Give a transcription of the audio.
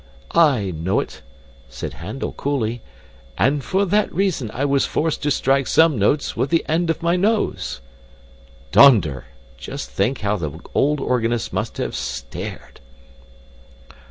'I know it,' said Handel coolly, 'and for that reason, I was forced to strike some notes with the end of my nose.' Donder! just think how the old organist must have stared!"